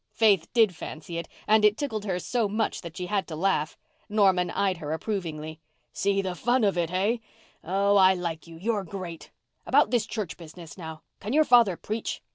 Faith did fancy it, and it tickled her so much that she had to laugh. Norman eyed her approvingly. "See the fun of it, hey? Oh, I like you—you're great. About this church business, now—can your father preach?"